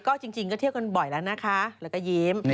ก็จริงก็เที่ยวกันบ่อยแล้วนะคะแล้วก็ยิ้ม